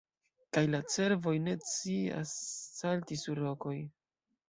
Kaj la cervoj ne scias salti sur rokoj.